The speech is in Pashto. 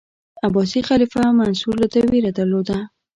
عباسي خلیفه منصور له ده ویره درلوده.